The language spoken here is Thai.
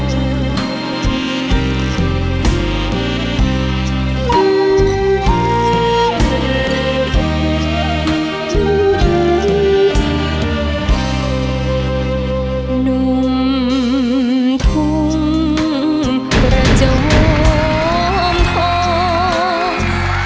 หนุ่มทุ่มประจมทอง